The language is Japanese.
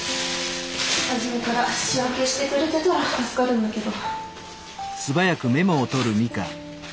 初めから仕分けしてくれてたら助かるんだけど。